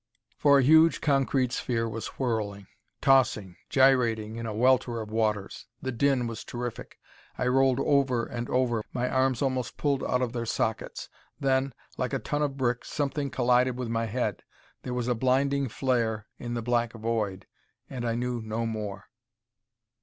For a huge concrete sphere was whirling, tossing, gyrating in a welter of waters. The din was terrific. I rolled over and over, my arms almost pulled out of their sockets. Then, like a ton of brick, something collided with my head. There was a blinding flare in the black void, and I knew no more.